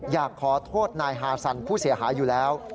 อยากขอโทษนายฮาซันผู้เสียหายอยู่แล้ว